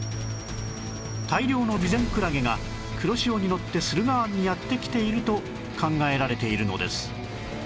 大量のビゼンクラゲが黒潮にのって駿河湾にやって来ていると考えられているのです